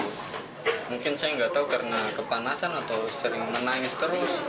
mungkin saya nggak tahu karena kepanasan atau sering menangis terus